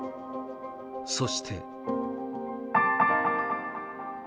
そして。